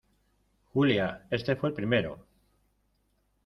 Julia, este fue el primero.